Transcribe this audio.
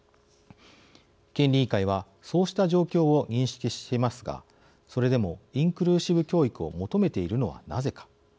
権利委員会はそうした状況を認識していますがそれでもインクルーシブ教育を求めているのは、なぜか。